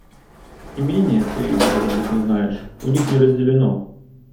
Имение, ты, может быть, не знаешь, у них не разделено.